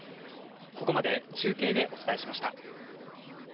ここまで中継でお伝えしました。